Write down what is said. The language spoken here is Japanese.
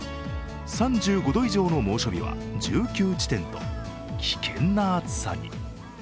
３５度以上の猛暑日は１９地点と危険な暑さに。